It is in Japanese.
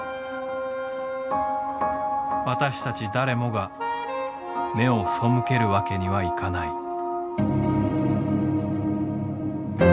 私たち誰もが目を背けるわけにはいかない。